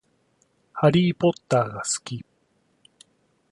ハリーポッターが好き